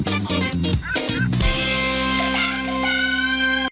ตราบใดที่ตนยังเป็นนายกอยู่